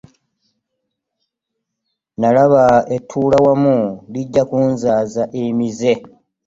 Nalaba ettuulawamu lijja kunzaaza emize.